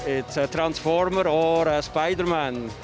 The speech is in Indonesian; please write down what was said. itu adalah transformer atau spiderman